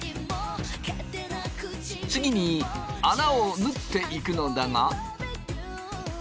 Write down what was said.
次に穴を縫っていくのだが。